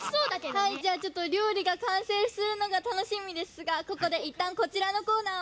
はいじゃあちょっとりょうりがかんせいするのがたのしみですがここでいったんこちらのコーナーを。